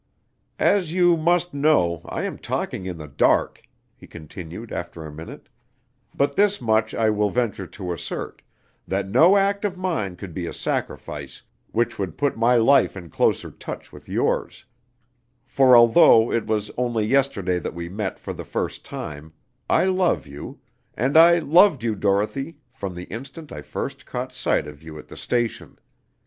"As you must know, I am talking in the dark," he continued after a minute, "but this much I will venture to assert, that no act of mine could be a sacrifice which would put my life in closer touch with yours; for although it was only yesterday that we met for the first time, I love you; and I loved you, Dorothy, from the instant I first caught sight of you at the station.